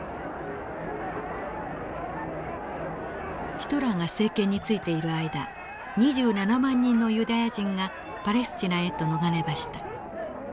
ヒトラーが政権に就いている間２７万人のユダヤ人がパレスチナへと逃れました。